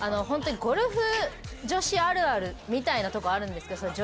本当にゴルフ女子あるあるみたいなとこあるんですけど。